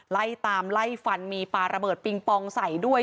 ไล่ตามไล่ฟันมีปลาระเบิดปิงปองใส่ด้วย